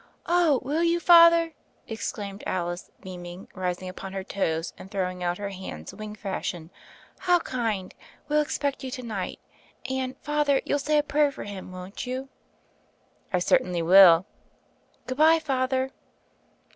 "Oh, will you. Father?" exclaimed Alice, beaming, rising upon her toes, and throwing out her hands wing fashion. "How kind! We'll expect you to night. And, Father, you'll say a prayer for him, won't you?" "I certainly will." "Good bye, Father."